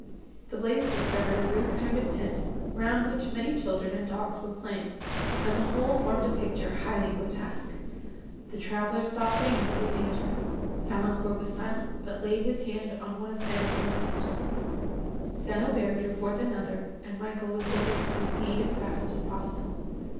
The blaze discovered a rude kind of tent, round which many children and dogs were playing, and the whole formed a picture highly grotesque. The travellers saw plainly their danger. Valancourt was silent, but laid his hand on one of St. Aubert's pistols; St. Aubert drew forth another, and Michael was ordered to proceed as fast as possible.